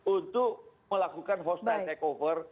untuk melakukan hostile takeover